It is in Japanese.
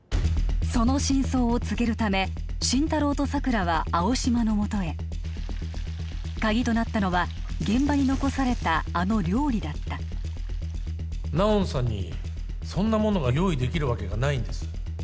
その真相を告げるため心太朗と佐久良は青嶌のもとへ鍵となったのは現場に残されたあの料理だったナオンさんにそんなものが用意できるわけがないんです